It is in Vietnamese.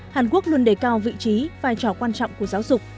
hàn quốc luôn đề cao vị trí vai trò quan trọng của giáo dục